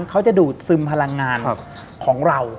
เขาจะดูดซึมพลังงานของเรา